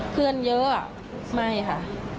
เพื่อนเยอะไม่ค่ะ